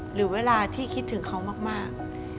หรือเวลาที่คิดถึงเขามาก